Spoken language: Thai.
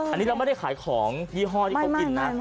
อันนี้เราไม่ได้ขายของยี่ห้อที่เขากินนะ